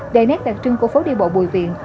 đầy nét đặc trưng của phố đi bộ bùi viện